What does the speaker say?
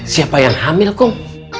siapa yang hamil kum